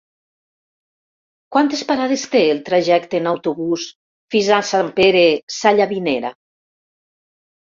Quantes parades té el trajecte en autobús fins a Sant Pere Sallavinera?